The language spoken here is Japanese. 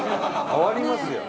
変わりますよ。